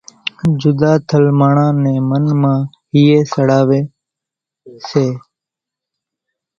جُڌا ٿل ماڻۿان نين من مان ھئي سڙاوي سي۔